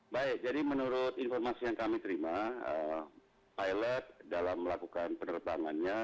baik jadi menurut informasi yang kami terima pilot dalam melakukan penerbangannya